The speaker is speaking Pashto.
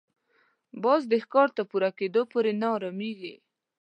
باز د ښکار تر پوره کېدو پورې نه اراميږي